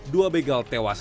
dua begal tewas